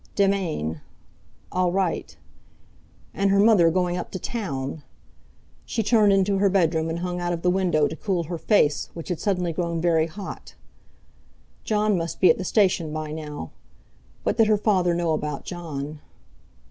"Demain!" "All right!" And her mother going up to Town! She turned into her bedroom and hung out of the window to cool her face, which had suddenly grown very hot. Jon must be at the station by now! What did her father know about Jon?